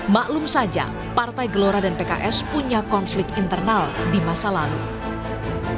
maklum saja partai gelora dan pks punya konflik internal di masa lalu